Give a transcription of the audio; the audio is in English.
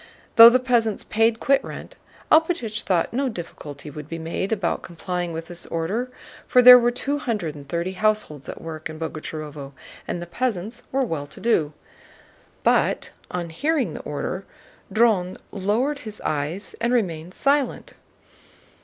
Though the peasants paid quitrent, Alpátych thought no difficulty would be made about complying with this order, for there were two hundred and thirty households at work in Boguchárovo and the peasants were well to do. But on hearing the order Dron lowered his eyes and remained silent.